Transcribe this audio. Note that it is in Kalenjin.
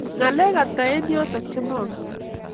ngalek ate eng yotok che mongen